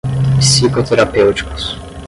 psicoterapêuticos